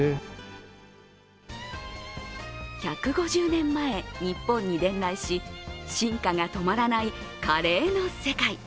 １５０年前、日本に伝来し、進化が止まらないカレーの世界。